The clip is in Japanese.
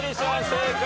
正解。